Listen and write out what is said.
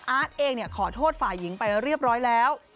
เองขอโทษฝ่ายหญิงไปเรียบร้อยแล้ว